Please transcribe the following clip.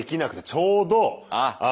ちょうどあ！